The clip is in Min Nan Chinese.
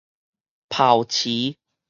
抱持